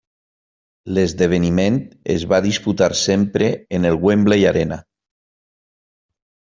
L'esdeveniment es va disputar sempre en el Wembley Arena.